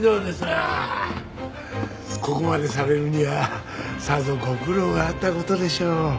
ここまでされるにはさぞご苦労があった事でしょう。